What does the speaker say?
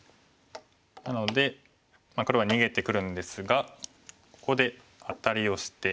なので黒は逃げてくるんですがここでアタリをして。